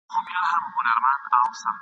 دومره ستړی سو چي ځان ورڅخه هېر سو ..